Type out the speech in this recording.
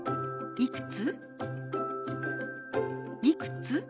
いくつ？